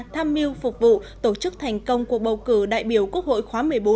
tham mưu phục vụ tổ chức thành công cuộc bầu cử đại biểu quốc hội khóa một mươi bốn